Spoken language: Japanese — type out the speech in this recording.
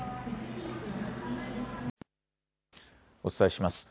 お伝えします。